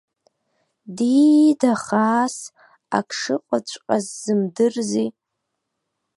Диида хаас, ак шыҟаҵәҟьаз зымдырзи!